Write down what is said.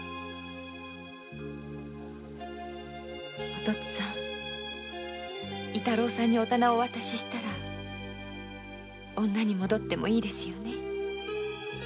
お父っつぁん伊太郎さんにお店をお渡ししたら女に戻ってもいいですよね。